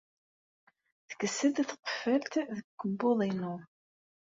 Tekkes-d tqeffalt deg ukebbuḍ-inu.